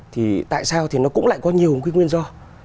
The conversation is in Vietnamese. thì tại sao thì nó cũng lại có nhiều cái nguyên do